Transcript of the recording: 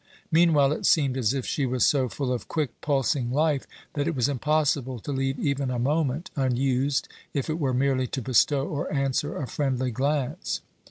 Meanwhile it seemed as if she was so full of quick, pulsing life, that it was impossible to leave even a moment unused, if it were merely to bestow or answer a friendly glance.